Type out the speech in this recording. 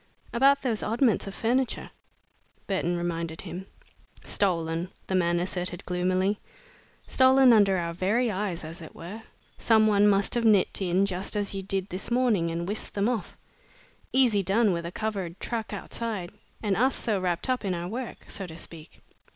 "About those oddments of furniture?" Burton reminded him. "Stolen," the man asserted gloomily, "stolen under our very eyes, as it were. Some one must have nipped in just as you did this morning, and whisked them off. Easy done with a covered truck outside and us so wrapped up in our work, so to speak."